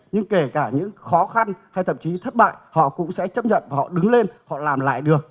nhưng kể cả những khó khăn hay thậm chí thất bại họ cũng sẽ chấp nhận và họ đứng lên họ làm lại được